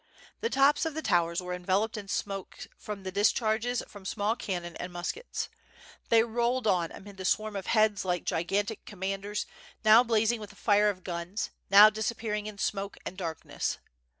The tops of the towers were enveloped in smoke from the discharges from small cannon and muskets. They rolled on amid the swarm of heads like gigantic commanders, now blazing with the fire of guns, now disappearing in smoke and darkness.